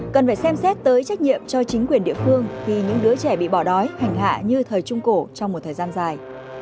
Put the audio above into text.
cần phải xem xét tới trách nhiệm cho chính quyền địa phương khi những đứa trẻ bị bỏ đói hành hạ như thời trung cổ trong một thời gian dài